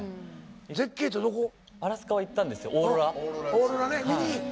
オーロラね見に？